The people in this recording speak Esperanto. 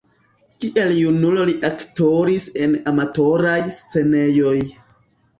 Kiel junulo li aktoris en amatoraj scenejoj.